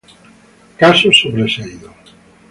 Caso sobreseído".